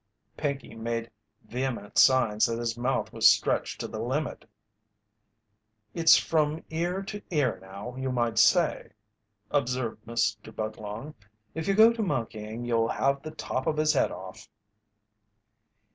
Pinkey made vehement signs that his mouth was stretched to the limit. "It's from ear to ear now, you might say," observed Mr. Budlong. "If you go to monkeying you'll have the top of his head off."